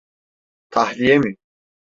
Tahliye mi?